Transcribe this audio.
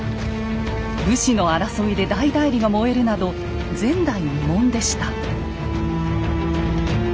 武士の争いで大内裏が燃えるなど前代未聞でした。